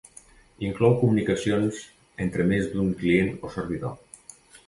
Inclou comunicacions entre més d'un client o servidor.